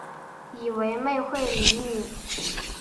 以为妹会理你